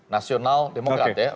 nasional demokrat ya